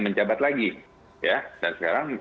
menjabat lagi dan sekarang